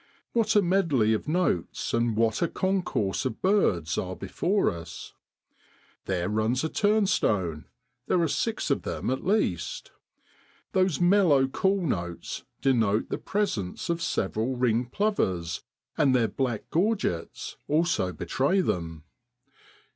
What a medley of notes, and what a concourse of birds are before us ! There runs a turnstone there are six of them at least. Those mellow call notes denote the presence of several ring plovers, and their black gorgets also betray them.